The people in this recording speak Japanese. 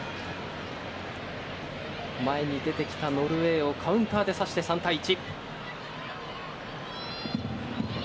前に出てきたノルウェーをカウンターでさして、３対１。